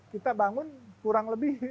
kita bangun kurang lebih